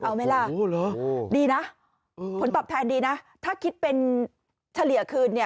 เอาไหมล่ะดีนะผลตอบแทนดีนะถ้าคิดเป็นเฉลี่ยคืนเนี่ย